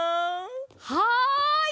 はい！